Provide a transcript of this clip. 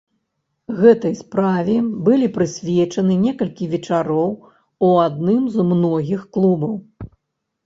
Гэтай справе былі прысвечаны некалькі вечароў у адным з многіх клубаў.